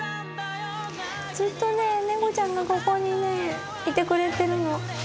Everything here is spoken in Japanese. ずっとねネコちゃんがここにねいてくれてるの。